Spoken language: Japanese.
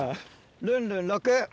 ルンルン６！